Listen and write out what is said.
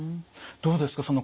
どうですか？